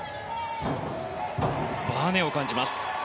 ばねを感じます。